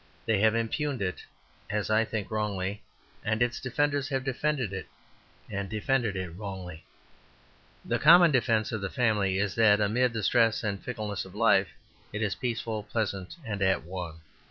They have impugned it, as I think wrongly; and its defenders have defended it, and defended it wrongly. The common defence of the family is that, amid the stress and fickleness of life, it is peaceful, pleasant, and at one.